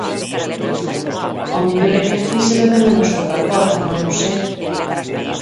Ao mellor é que aquí se bebe menos Coca-Cola, non o sei.